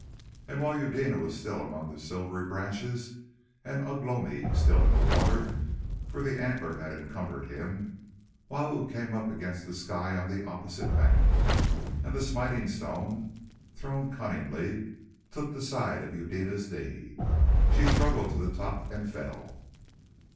And while Eudena was still among the silvery branches and Ugh lomi still in the water for the antler had encumbered him Wau came up against the sky on the opposite bank, and the smiting stone, thrown cunningly, took the side of Eudena's knee. She struggled to the top and fell.